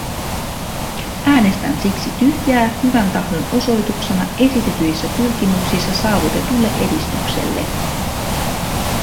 Äänestän siksi tyhjää hyvän tahdon osoituksena esitetyissä pyrkimyksissä saavutetulle edistykselle.